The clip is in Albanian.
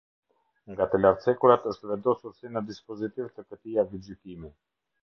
Nga të lartcekurat është vendosur si në dispozitiv të këtij aktgjykimi.